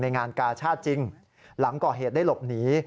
งานกาชาติจริงหลังก่อเหตุได้หลบหนี